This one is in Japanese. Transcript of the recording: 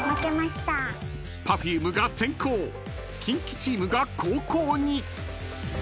［Ｐｅｒｆｕｍｅが先攻キンキチームが後攻に］